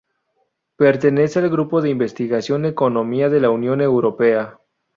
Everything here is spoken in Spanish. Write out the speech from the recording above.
Pertenece al grupo de investigación Economía de la Unión Europea.